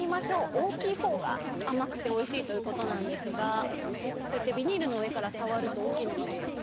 大きい方が甘くておいしいということなんですが、こうやってビニールの上から触ると大きいのが分かって。